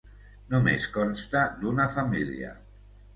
Només consta d'una família.